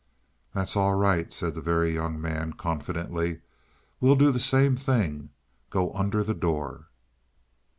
"That's all right," said the Very Young Man confidently. "We'll do the same thing go under the door."